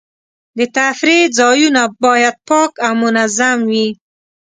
د تفریح ځایونه باید پاک او منظم وي.